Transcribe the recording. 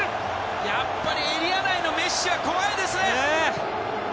やっぱりエリア内のメッシは怖いですね！